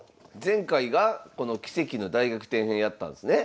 前回がこの「奇跡の大逆転編」やったんですね。